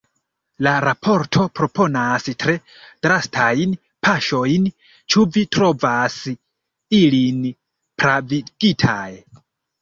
La raporto proponas tre drastajn paŝojn, ĉu vi trovas ilin pravigitaj?